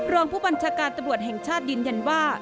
รองผู้บัญชาการตำรวจแห่งชาติยืนยันว่า